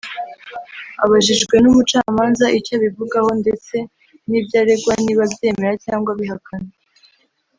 Abajijwe n’umucamanza icyo abivugaho ndetse n’ibyo aregwa niba abyemera cyangwa abihakana